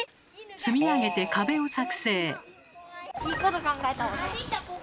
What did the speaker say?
積み上げて壁を作製。